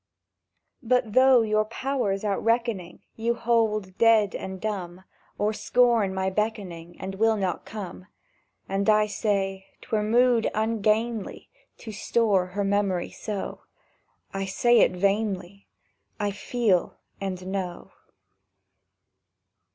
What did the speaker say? But though, your powers outreckoning, You hold you dead and dumb, Or scorn my beckoning, And will not come; And I say, "'Twere mood ungainly To store her memory so:" I say it vainly— I feel and know!